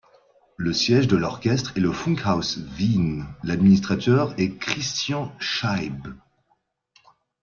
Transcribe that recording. Le siège de l'orchestre est le Funkhaus Wien, l'administrateur est Christian Scheib.